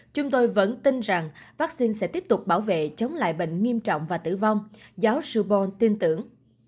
chúng tôi vẫn tin rằng vaccine sẽ tiếp tục bảo vệ chống lại bệnh nghiêm trọng và tử vong giáo sưubon tin tưởng